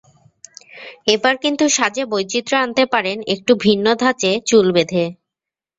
এবার কিন্তু সাজে বৈচিত্র্য আনতে পারেন একটু ভিন্ন ধাঁচে চুল বেঁধে।